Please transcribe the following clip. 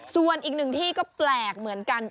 ส่วนอีกหนึ่งที่ก็แปลกเหมือนกัน